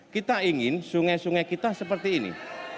kita ingin sungai sungai kita seperti ini